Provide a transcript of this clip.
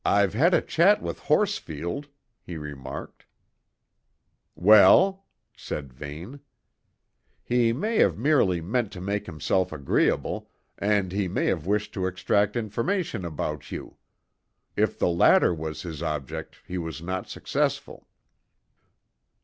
"I've had a chat with Horsfield," he remarked. "Well?" said Vane. "He may have merely meant to make himself agreeable, and he may have wished to extract information about you. If the latter was his object, he was not successful."